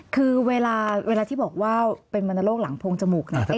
คือเวลาที่บอกว่าเป็นมันโรคหลังโพงจมูก